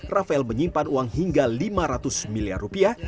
rafael menyimpan uang hingga lima ratus miliar rupiah